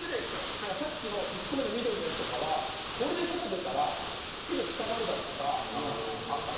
だからさっきの１個目の緑のやつとかは「これで外出たらすぐ捕まるだろ」とか。